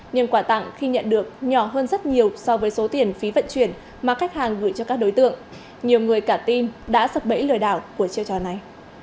nhưng quà tặng khi nhận được nhỏ hơn rất nhiều so với số tiền phí vận chuyển mà khách hàng gửi cho các đối tượng nhiều người cả team đã sập bẫy lời đảo của chiêu trò này